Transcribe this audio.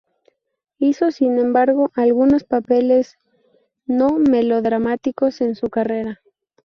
Hizo, sin embargo, algunos papeles no-melodramáticos en su carrera.